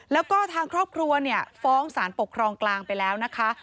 แล้วก็ทางครอบครัวเนี่ยฟ้องสารปกครองกลางไปแล้วนะคะ